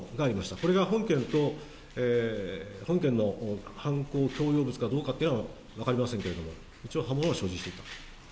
これが本件と、本件の犯行供用物かどうかというのは分かりませんけれども、一応刃物は所持していた。